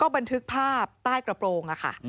บันทึกภาพใต้กระโปรงค่ะ